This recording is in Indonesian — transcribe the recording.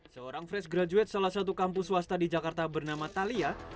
seorang fresh graduate salah satu kampus swasta di jakarta bernama thalia